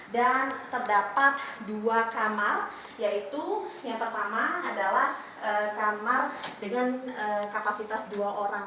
dan terdapat dua kamar yaitu yang pertama adalah kamar dengan kapasitas dua orang